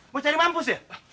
mau cari mampus ya